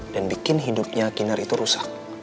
bikin hidupnya kinar itu rusak